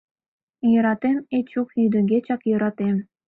Йӧратем, Эчук, йӱдегечат йӧратем.